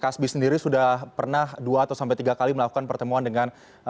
kasbi sendiri sudah pernah dua atau sampai tiga kali melakukan pertemuan dengan